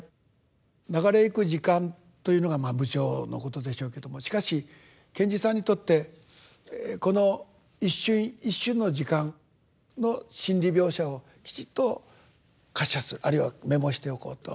流れゆく時間というのが無常のことでしょうけどもしかし賢治さんにとってこの一瞬一瞬の時間の心理描写をきちっと活写するあるいはメモしておこうと。